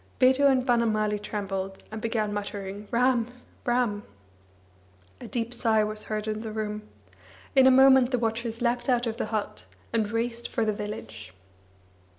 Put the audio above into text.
Bidhu and Banamali trembled, and began muttering: "Ram, Ram." A deep sigh was heard in the room. In a moment the watchers leapt out of the hut, and raced for the village.